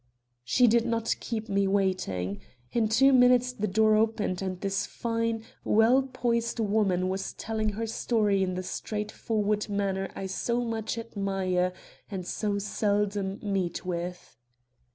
She did not keep me waiting. In two minutes the door opened and this fine, well poised woman was telling her story in the straight forward manner I so much admire and so seldom meet with.